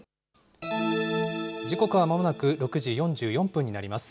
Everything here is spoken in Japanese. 時刻はまもなく６時４４分になります。